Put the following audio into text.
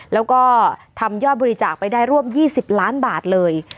แล้วก็ทำยอดบริจาคไปได้ร่วม๒๐ล้านบาทเลย